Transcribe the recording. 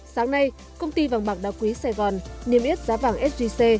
sáng nay công ty vàng bạc đa quý sài gòn niêm yết giá vàng sgc